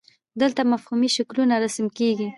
دلته مفهومي شکلونه رسم کیږي.